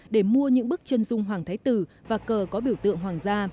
để mua những bức chân dung hoàng thái tử và cờ có biểu tượng hoàng gia